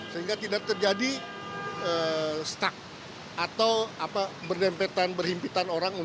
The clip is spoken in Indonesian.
sehingga tidak terjadi stuck atau berdempetan berhimpitan orang